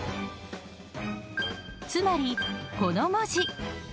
［つまりこの文字］